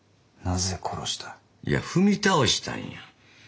いや踏み倒したんや。